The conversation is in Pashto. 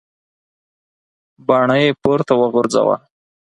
باڼه یې پورته وغورځول.